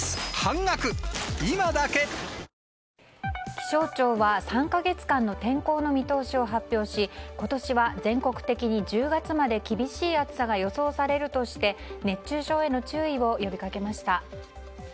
気象庁は３か月間の天候の見通しを発表し今年は全国的に１０月まで厳しい暑さが予想されるとして熱中症への注意を呼びかけました。